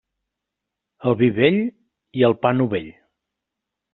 El vi vell, i el pa novell.